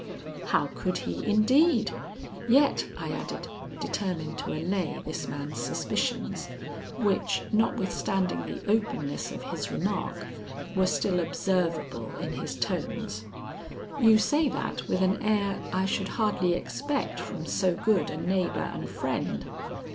"How could he, indeed! Yet," I added, determined to allay this man's suspicions, which, notwithstanding the openness of his remark, were still observable in his tones, "you say that with an air I should hardly expect from so good a neighbor and friend.